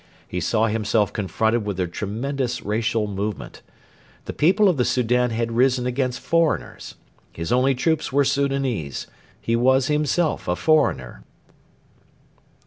He saw himself confronted with a tremendous racial movement. The people of the Soudan had risen against foreigners. His only troops were Soudanese. He was himself a foreigner.